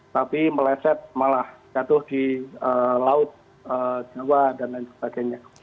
tapi meleset malah jatuh di laut jawa dan lain sebagainya